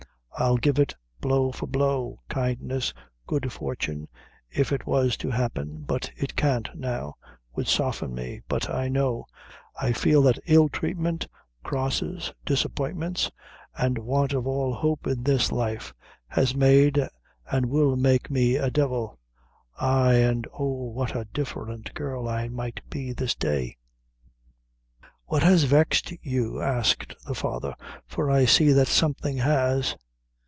I'll give it blow for blow; kindness, good fortune, if it was to happen but it can't now would soften me; but I know, I feel that ill treatment, crosses, disappointments, an' want of all hope in this life, has made, an' will make me a devil ay, an' oh! what a different girl I might be this day!" "What has vexed you?" asked the father "for I see that something has."